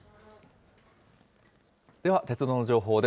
では鉄道の情報です。